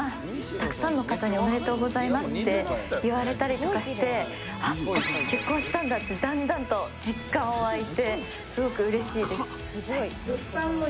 たくさんの方に「おめでとうございます」って言われたりとかしてあっ私結婚したんだってだんだんと実感湧いてすごくうれしいです。